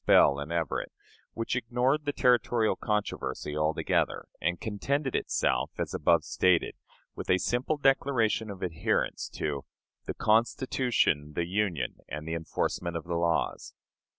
Bell and Everett, which ignored the territorial controversy altogether, and contented itself, as above stated, with a simple declaration of adherence to "the Constitution, the Union, and the enforcement of the laws."